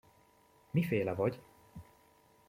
Miféle vagy?